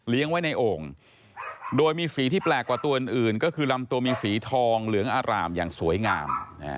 ไว้ในโอ่งโดยมีสีที่แปลกกว่าตัวอื่นก็คือลำตัวมีสีทองเหลืองอร่ามอย่างสวยงาม